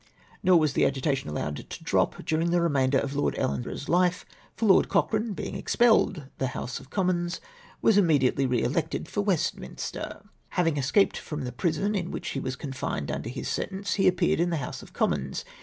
Nor was the agitation allowed to drop during the remainder of Lord EUenborough's life, for Lord Cochrane l>eing ex pelled the House of Commons, ivas im^mediately re elected for Westminster. Having escaped from the prison in which he was confined under his sentence, he appeared in the House of Commons.